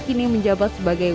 kini menjabat sebagai